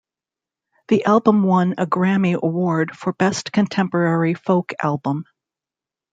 The album won a Grammy Award for Best Contemporary Folk Album.